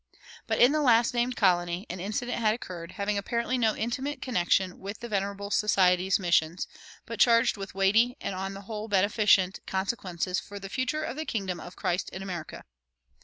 [131:2] But in the last named colony an incident had occurred, having apparently no intimate connection with the "Venerable Society's" missions, but charged with weighty, and on the whole beneficent, consequences for the future of the kingdom of Christ in America.